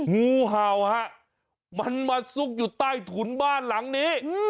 งูเห่าฮะมันมาซุกอยู่ใต้ถุนบ้านหลังนี้